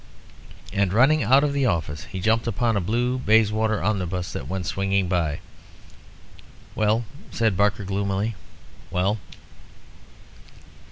And, running out of the office, he jumped upon a blue Bayswater omnibus that went swinging by. "Well," said Barker, gloomily, "well."